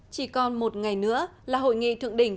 chỉ còn một ngày nữa là hội nghị thượng đỉnh